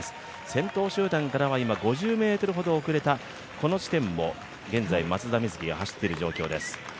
先頭集団からは今、５０ｍほど遅れたこの地点を現在松田瑞生が走っている状況です。